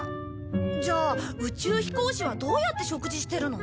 じゃあ宇宙飛行士はどうやって食事してるの？